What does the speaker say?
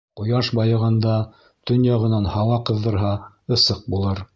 Ҡояш байығанда төньяғынан һауа ҡыҙҙырһа, ысыҡ булыр.